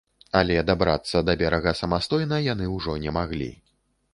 Але дабрацца да берага самастойна яны ўжо не маглі.